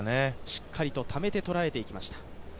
しっかりとためて捉えていきました。